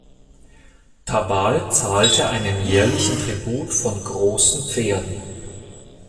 Tabal zahlte einen jährlichen Tribut von "großen Pferden".